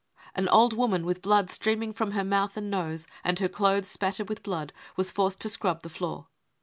An old woman, with blood streaming from her mouth and nose, and her clothes spattered with blood, was forced to scrub the floor.